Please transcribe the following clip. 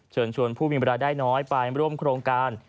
เชิญชวนผู้มีเวลาได้น้อยไปร่วมโครงการ